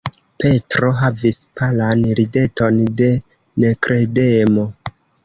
Petro havis palan rideton de nekredemo.